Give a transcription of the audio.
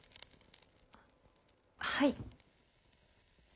はい。